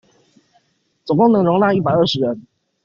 總共能夠容納一百二十人